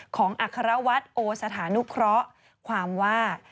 อัครวัฒน์โอสถานุเคราะห์ความว่า